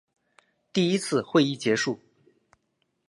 第一次会议结束。